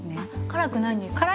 辛くないんですか？